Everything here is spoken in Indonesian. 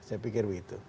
saya pikir begitu